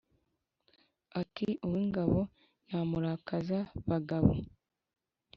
Ati : “Uw’ingabo ya Murakaza-bagabo